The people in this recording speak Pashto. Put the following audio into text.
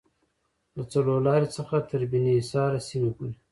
له څلورلارې څخه تر بیني حصار سیمې پورې